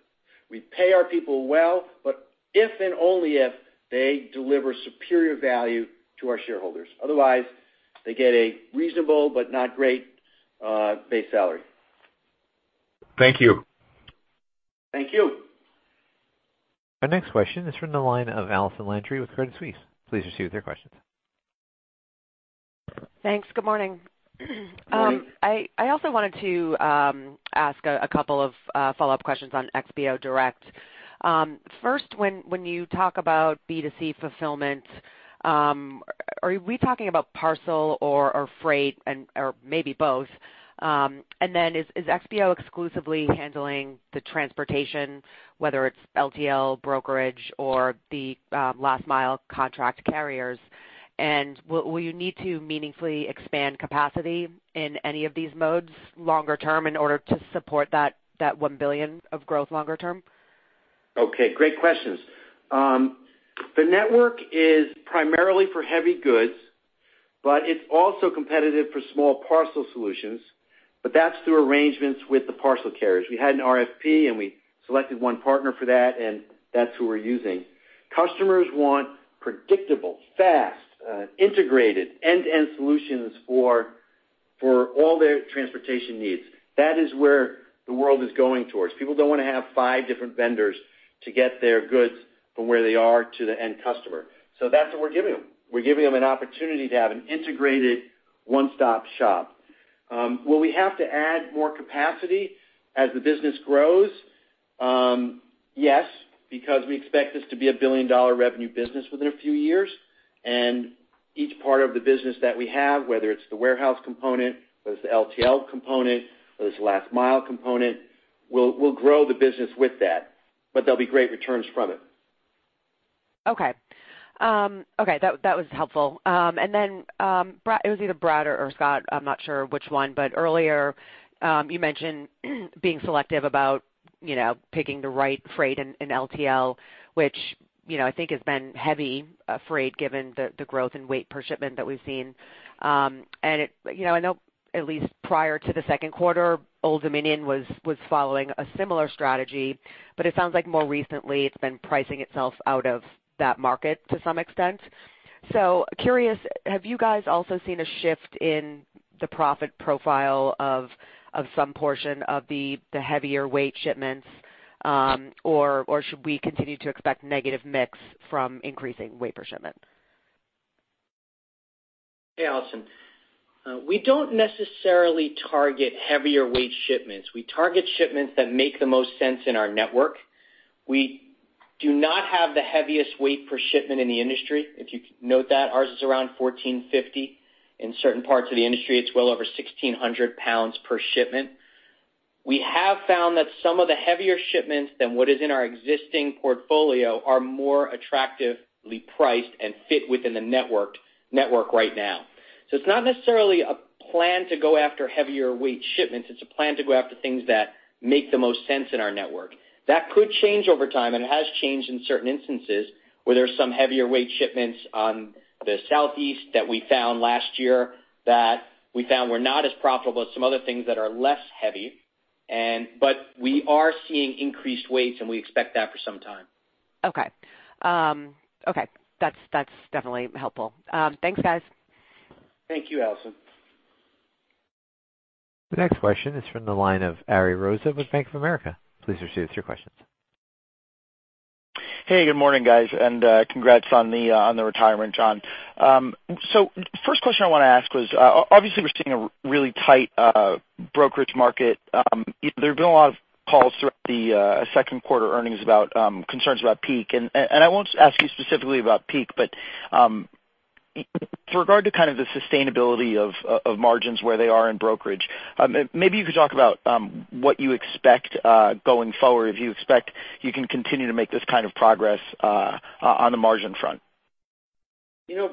We pay our people well, but if and only if they deliver superior value to our shareholders. Otherwise, they get a reasonable but not great base salary. Thank you. Thank you. Our next question is from the line of Allison Landry with Credit Suisse. Please proceed with your questions. Thanks. Good morning. Morning. I also wanted to ask a couple of follow-up questions on XPO Direct. First, when you talk about B2C fulfillment, are we talking about parcel or freight or maybe both? Is XPO exclusively handling the transportation, whether it's LTL brokerage or the Last Mile contract carriers? Will you need to meaningfully expand capacity in any of these modes longer term in order to support that $1 billion of growth longer term? Okay. Great questions. The network is primarily for heavy goods, but it's also competitive for small parcel solutions. That's through arrangements with the parcel carriers. We had an RFP, and we selected one partner for that, and that's who we're using. Customers want predictable, fast, integrated end-to-end solutions for all their transportation needs. That is where the world is going towards. People don't want to have five different vendors to get their goods from where they are to the end customer. That's what we're giving them. We're giving them an opportunity to have an integrated one-stop shop. Will we have to add more capacity as the business grows? Yes, because we expect this to be a billion-dollar revenue business within a few years. Each part of the business that we have, whether it's the warehouse component, whether it's the LTL component, whether it's the Last Mile component, we'll grow the business with that. There'll be great returns from it. Okay. That was helpful. It was either Brad or Scott, I'm not sure which one. Earlier, you mentioned being selective about picking the right freight and LTL, which I think has been heavy freight given the growth in weight per shipment that we've seen. I know at least prior to the second quarter, Old Dominion was following a similar strategy, it sounds like more recently it's been pricing itself out of that market to some extent. Curious, have you guys also seen a shift in the profit profile of some portion of the heavier weight shipments? Should we continue to expect negative mix from increasing weight per shipment? Hey, Allison. We don't necessarily target heavier weight shipments. We target shipments that make the most sense in our network. We do not have the heaviest weight per shipment in the industry. If you note that, ours is around 1,450. In certain parts of the industry, it's well over 1,600 pounds per shipment. We have found that some of the heavier shipments than what is in our existing portfolio are more attractively priced and fit within the network right now. It's not necessarily a plan to go after heavier weight shipments. It's a plan to go after things that make the most sense in our network. That could change over time, and it has changed in certain instances where there's some heavier weight shipments on the Southeast that we found last year that we found were not as profitable as some other things that are less heavy. We are seeing increased weights, and we expect that for some time. Okay. That's definitely helpful. Thanks, guys. Thank you, Allison. The next question is from the line of Ariel Rosa with Bank of America. Please proceed with your questions. Hey, good morning, guys, congrats on the retirement, John. First question I want to ask was, obviously, we're seeing a really tight brokerage market. There have been a lot of calls throughout the second quarter earnings about concerns about peak. I won't ask you specifically about peak, but with regard to kind of the sustainability of margins where they are in brokerage, maybe you could talk about what you expect going forward, if you expect you can continue to make this kind of progress on the margin front.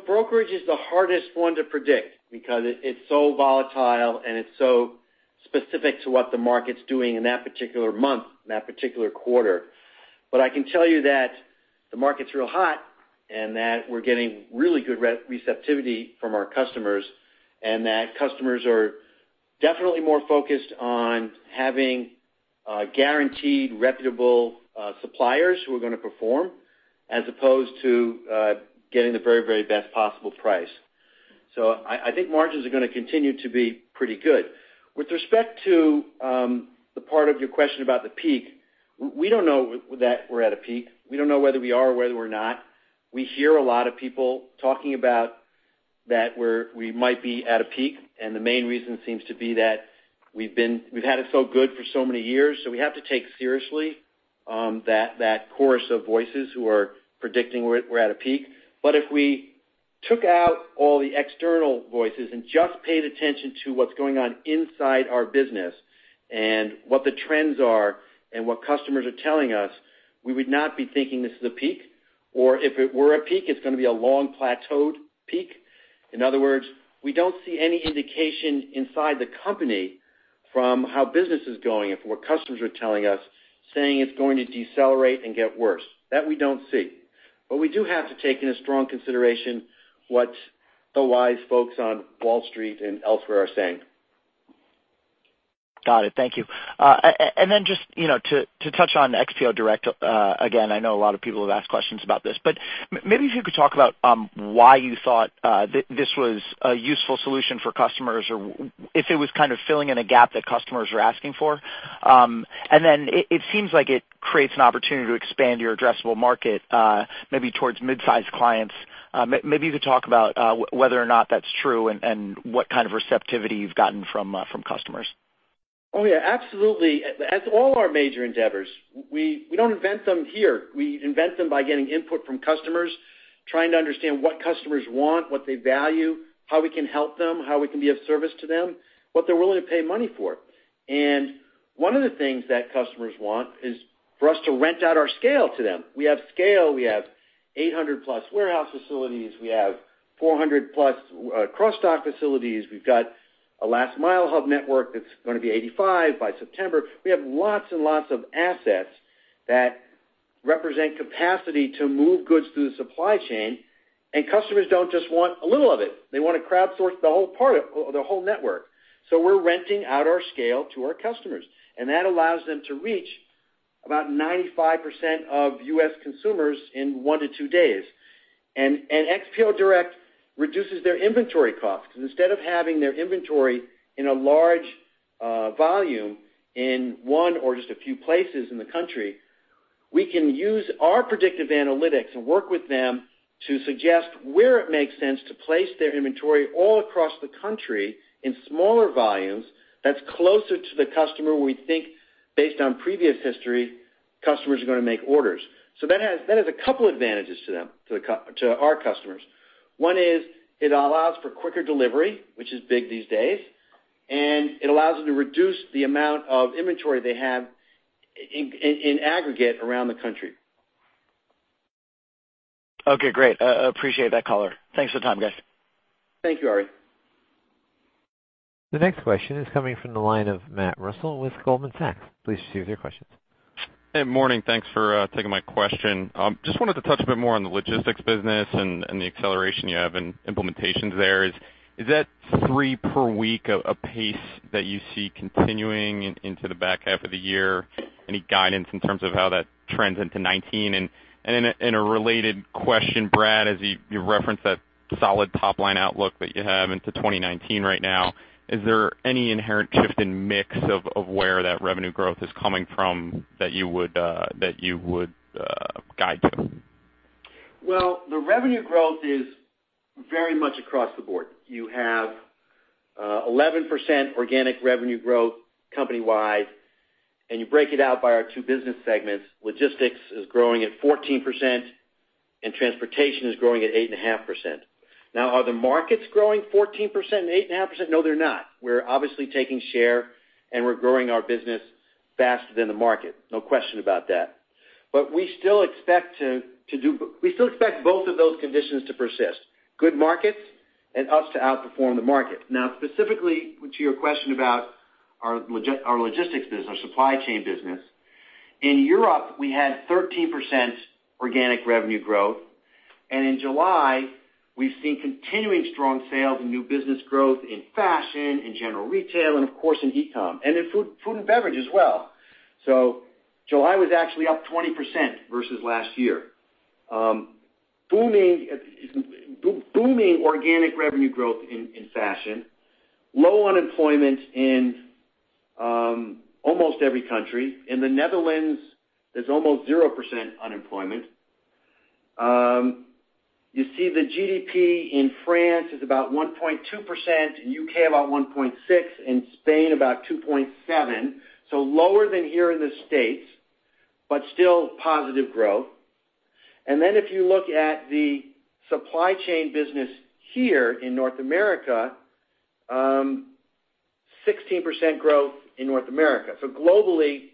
Brokerage is the hardest one to predict because it's so volatile and it's so specific to what the market's doing in that particular month, in that particular quarter. I can tell you that the market's real hot and that we're getting really good receptivity from our customers, and that customers are definitely more focused on having guaranteed, reputable suppliers who are going to perform, as opposed to getting the very best possible price. I think margins are going to continue to be pretty good. With respect to the part of your question about the peak, we don't know that we're at a peak. We don't know whether we are or whether we're not. We hear a lot of people talking about that we might be at a peak, the main reason seems to be that we've had it so good for so many years, we have to take seriously that chorus of voices who are predicting we're at a peak. If we took out all the external voices and just paid attention to what's going on inside our business and what the trends are and what customers are telling us, we would not be thinking this is a peak. If it were a peak, it's going to be a long plateaued peak. In other words, we don't see any indication inside the company from how business is going and from what customers are telling us, saying it's going to decelerate and get worse. That we don't see. We do have to take in a strong consideration what the wise folks on Wall Street and elsewhere are saying. Got it. Thank you. Just to touch on XPO Direct again, I know a lot of people have asked questions about this, maybe if you could talk about why you thought this was a useful solution for customers, or if it was kind of filling in a gap that customers were asking for. It seems like it creates an opportunity to expand your addressable market maybe towards mid-size clients. Maybe you could talk about whether or not that's true and what kind of receptivity you've gotten from customers. Oh, yeah. Absolutely. As all our major endeavors, we don't invent them here. We invent them by getting input from customers, trying to understand what customers want, what they value, how we can help them, how we can be of service to them, what they're willing to pay money for. One of the things that customers want is for us to rent out our scale to them. We have scale. We have 800-plus warehouse facilities. We have 400-plus cross-dock facilities. We've got a Last Mile hub network that's going to be 85 by September. We have lots and lots of assets that represent capacity to move goods through the supply chain. Customers don't just want a little of it. They want to crowdsource the whole network. We're renting out our scale to our customers, and that allows them to reach about 95% of U.S. consumers in one to two days. XPO Direct reduces their inventory costs, because instead of having their inventory in a large volume in one or just a few places in the country, we can use our predictive analytics and work with them to suggest where it makes sense to place their inventory all across the country in smaller volumes that's closer to the customer we think, based on previous history, customers are going to make orders. That has a couple advantages to our customers. One is it allows for quicker delivery, which is big these days, and it allows them to reduce the amount of inventory they have in aggregate around the country. Okay, great. I appreciate that color. Thanks for the time, guys. Thank you, Ari. The next question is coming from the line of Matthew Russell with Goldman Sachs. Please proceed with your questions. Morning. Thanks for taking my question. Just wanted to touch a bit more on the logistics business and the acceleration you have in implementations there. Is that three per week a pace that you see continuing into the back half of the year? Any guidance in terms of how that trends into 2019? In a related question, Brad, as you referenced that solid top-line outlook that you have into 2019 right now, is there any inherent shift in mix of where that revenue growth is coming from that you would guide to? Well, the revenue growth is very much across the board. You have 11% organic revenue growth company-wide, you break it out by our two business segments. Logistics is growing at 14% and transportation is growing at 8.5%. Are the markets growing 14% and 8.5%? No, they're not. We're obviously taking share, we're growing our business faster than the market. No question about that. We still expect both of those conditions to persist, good markets and us to outperform the market. Specifically to your question about our logistics business, our supply chain business. In Europe, we had 13% organic revenue growth, in July, we've seen continuing strong sales and new business growth in fashion, in general retail, and of course in e-com. In food and beverage as well. July was actually up 20% versus last year. Booming organic revenue growth in fashion, low unemployment in almost every country. In the Netherlands, there's almost 0% unemployment. You see the GDP in France is about 1.2%, U.K. about 1.6%, in Spain about 2.7%. Lower than here in the U.S. Still positive growth. If you look at the supply chain business here in North America, 16% growth in North America. Globally,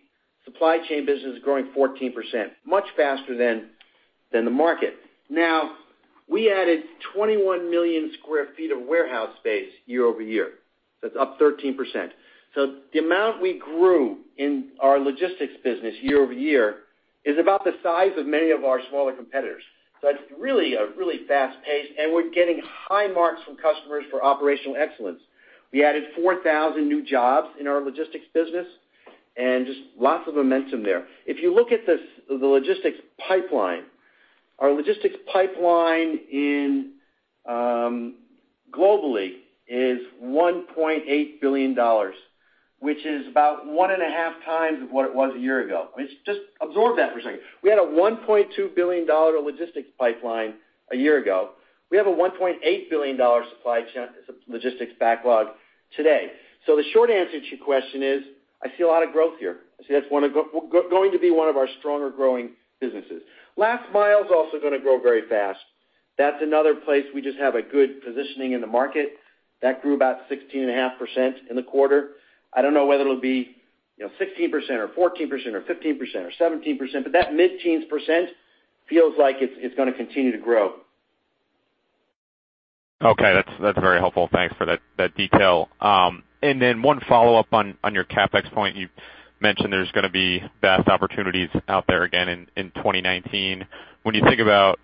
supply chain business is growing 14%, much faster than the market. We added 21 million square feet of warehouse space year-over-year. That's up 13%. The amount we grew in our logistics business year-over-year is about the size of many of our smaller competitors. That's really a really fast pace, and we're getting high marks from customers for operational excellence. We added 4,000 new jobs in our logistics business, and just lots of momentum there. If you look at the logistics pipeline, our logistics pipeline globally is $1.8 billion, which is about one and a half times of what it was a year ago. Just absorb that for a second. We had a $1.2 billion logistics pipeline a year ago. We have a $1.8 billion supply chain logistics backlog today. The short answer to your question is, I see a lot of growth here. I see that's going to be one of our stronger growing businesses. Last Mile is also going to grow very fast. That's another place we just have a good positioning in the market. That grew about 16.5% in the quarter. I don't know whether it'll be 16% or 14% or 15% or 17%, but that mid-teens percent feels like it's going to continue to grow. Okay. That's very helpful. Thanks for that detail. One follow-up on your CapEx point. You mentioned there's going to be best opportunities out there again in 2019. When you think about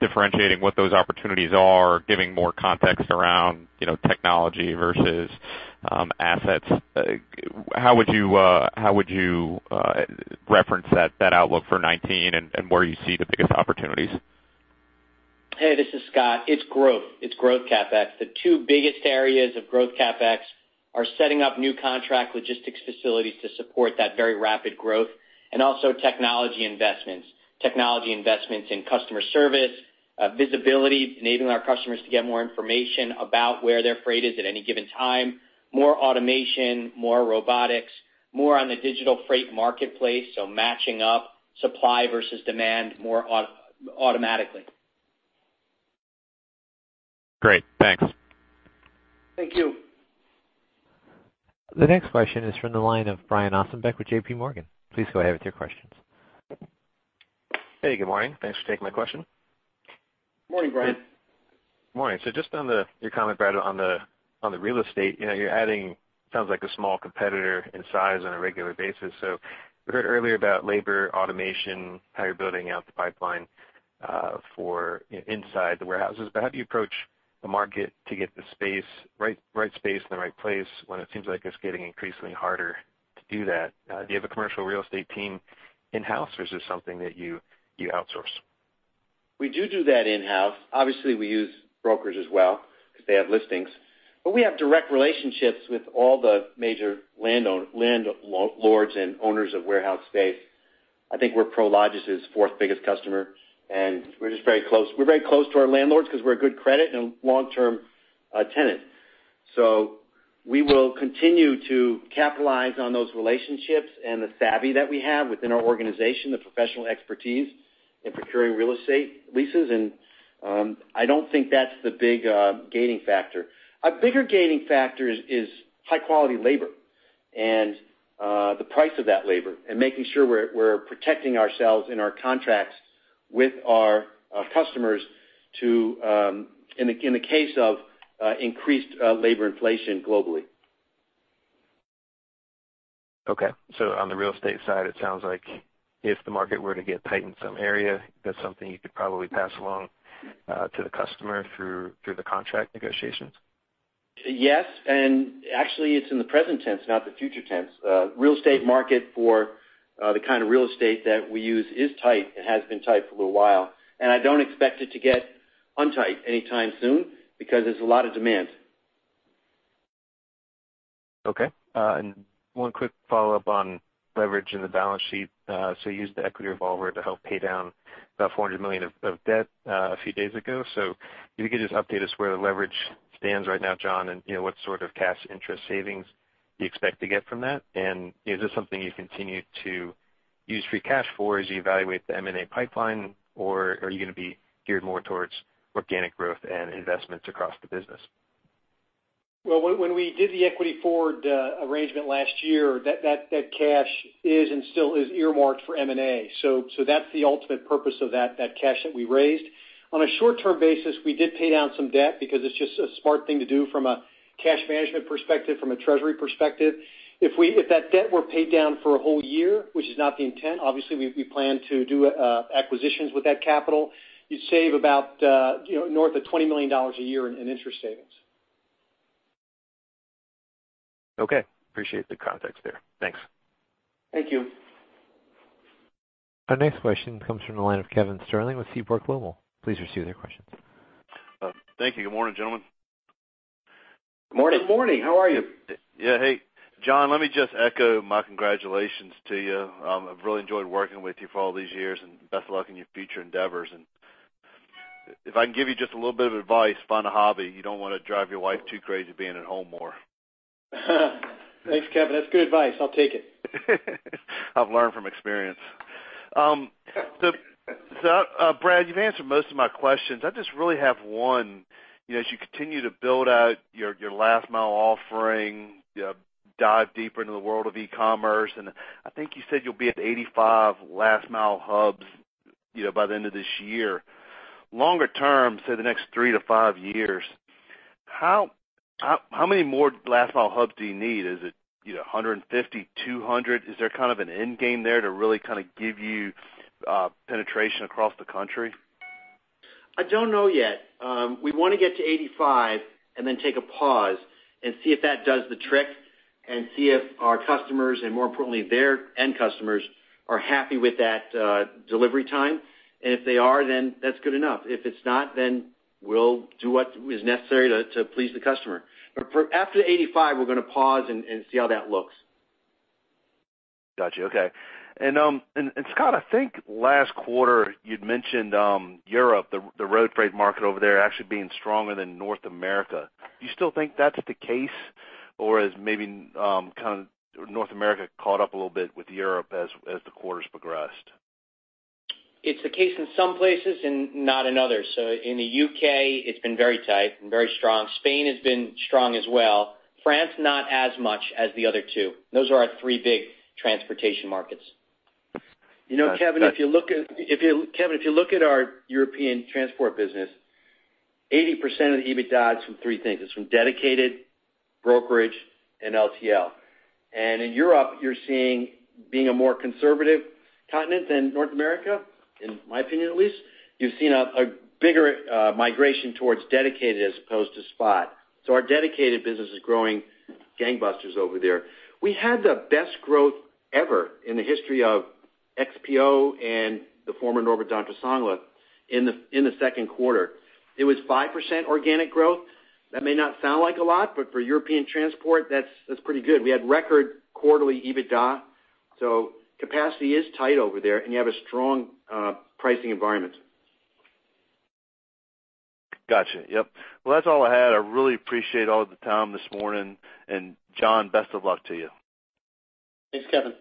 differentiating what those opportunities are, giving more context around technology versus assets, how would you reference that outlook for 2019 and where you see the biggest opportunities? Hey, this is Scott. It's growth. It's growth CapEx. The two biggest areas of growth CapEx are setting up new contract logistics facilities to support that very rapid growth, and also technology investments. Technology investments in customer service, visibility, enabling our customers to get more information about where their freight is at any given time, more automation, more robotics, more on the digital freight marketplace, matching up supply versus demand more automatically. Great. Thanks. Thank you. The next question is from the line of Brian Ossenbeck with J.P. Morgan. Please go ahead with your questions. Hey, good morning. Thanks for taking my question. Morning, Brian. Morning. Just on your comment, Brad, on the real estate. You're adding, sounds like a small competitor in size on a regular basis. We heard earlier about labor automation, how you're building out the pipeline for inside the warehouses. How do you approach the market to get the right space in the right place when it seems like it's getting increasingly harder to do that? Do you have a commercial real estate team in-house, or is this something that you outsource? We do that in-house. Obviously, we use brokers as well because they have listings. We have direct relationships with all the major landlords and owners of warehouse space. I think we're Prologis' fourth biggest customer, and we're just very close. We're very close to our landlords because we're a good credit and a long-term tenant. We will continue to capitalize on those relationships and the savvy that we have within our organization, the professional expertise in procuring real estate leases, and I don't think that's the big gaining factor. A bigger gaining factor is high-quality labor and the price of that labor, and making sure we're protecting ourselves and our contracts with our customers in the case of increased labor inflation globally. Okay. On the real estate side, it sounds like if the market were to get tight in some area, that's something you could probably pass along to the customer through the contract negotiations? Yes, actually it's in the present tense, not the future tense. Real estate market for the kind of real estate that we use is tight and has been tight for a little while. I don't expect it to get untight anytime soon because there's a lot of demand. One quick follow-up on leverage in the balance sheet. You used the equity revolver to help pay down about $400 million of debt a few days ago. If you could just update us where the leverage stands right now, John, and what sort of cash interest savings you expect to get from that? Is this something you continue to use free cash for as you evaluate the M&A pipeline, or are you going to be geared more towards organic growth and investments across the business? When we did the equity forward arrangement last year, that cash is and still is earmarked for M&A. That's the ultimate purpose of that cash that we raised. On a short-term basis, we did pay down some debt because it's just a smart thing to do from a cash management perspective, from a treasury perspective. If that debt were paid down for a whole year, which is not the intent, obviously, we plan to do acquisitions with that capital. You'd save about north of $20 million a year in interest savings. Okay. Appreciate the context there. Thanks. Thank you. Our next question comes from the line of Kevin Sterling with Seaport Global Securities. Please proceed with your questions. Thank you. Good morning, gentlemen. Morning. Good morning. How are you? Yeah. Hey, John, let me just echo my congratulations to you. I've really enjoyed working with you for all these years. Best of luck in your future endeavors. If I can give you just a little bit of advice, find a hobby. You don't want to drive your wife too crazy being at home more. Thanks, Kevin. That's good advice. I'll take it. I've learned from experience. Brad, you've answered most of my questions. I just really have one. As you continue to build out your Last Mile offering, dive deeper into the world of e-commerce, and I think you said you'll be at 85 Last Mile hubs by the end of this year. Longer term, say, the next three to five years, how many more Last Mile hubs do you need? Is it 150, 200? Is there kind of an end game there to really give you penetration across the country? I don't know yet. We want to get to 85 and then take a pause and see if that does the trick, and see if our customers, and more importantly, their end customers, are happy with that delivery time. If they are, that's good enough. If it's not, we'll do what is necessary to please the customer. After 85, we're going to pause and see how that looks. Got you. Okay. Scott, I think last quarter you'd mentioned Europe, the road freight market over there actually being stronger than North America. Do you still think that's the case? Or has maybe North America caught up a little bit with Europe as the quarters progressed? It's the case in some places and not in others. In the U.K., it's been very tight and very strong. Spain has been strong as well. France, not as much as the other two. Those are our three big transportation markets. Kevin, if you look at our European transport business, 80% of the EBITDA is from three things. It's from dedicated, brokerage, and LTL. In Europe, you're seeing, being a more conservative continent than North America, in my opinion at least, you've seen a bigger migration towards dedicated as opposed to spot. Our dedicated business is growing gangbusters over there. We had the best growth ever in the history of XPO and the former Norbert Dentressangle in the second quarter. It was 5% organic growth. That may not sound like a lot, but for European transport, that's pretty good. We had record quarterly EBITDA. Capacity is tight over there, and you have a strong pricing environment. Got you. Yep. Well, that's all I had. I really appreciate all of the time this morning. John, best of luck to you. Thanks, Kevin.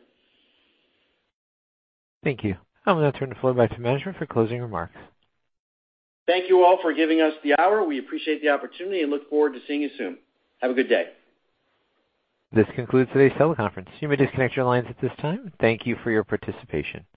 Thank you. I'm going to turn the floor back to management for closing remarks. Thank you all for giving us the hour. We appreciate the opportunity and look forward to seeing you soon. Have a good day. This concludes today's teleconference. You may disconnect your lines at this time. Thank you for your participation.